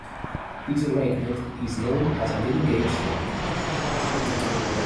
This arrangement is known as leading edge slats.